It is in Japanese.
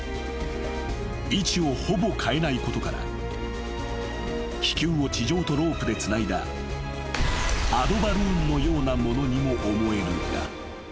［位置をほぼ変えないことから気球を地上とロープでつないだアドバルーンのようなものにも思えるが］